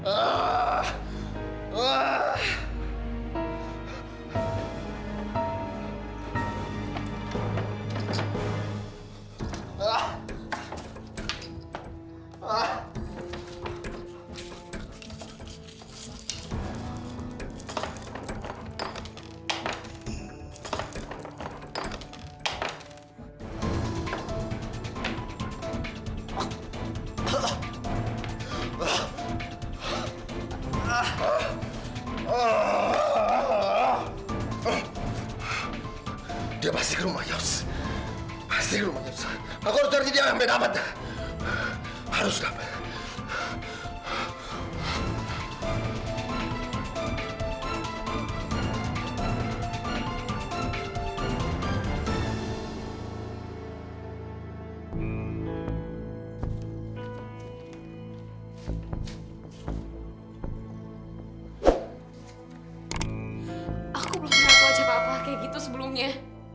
aku belum pernah kelajar apa kayak gitu sebelumnya